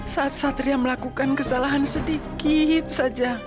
saat satria melakukan kesalahan sedikit saja